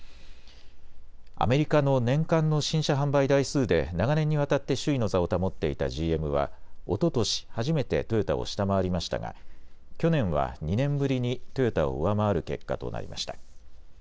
アメリカの年間の新車販売台数で長年にわたって首位の座を保っていたＧＭはおととし初めてトヨタを下回りましたが去年は２年ぶりにトヨタを上回る結果となりました。